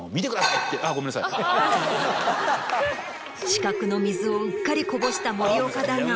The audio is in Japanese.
死角の水をうっかりこぼした森岡だが。